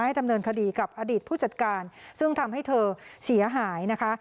ดำเนินคดีกับอดีตผู้จัดการซึ่งทำให้เธอเสียหายนะคะ